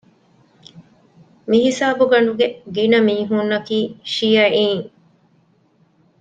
މިހިސާބުގަނޑުގެ ގިނަ މީހުންނަކީ ޝިޔަޢީން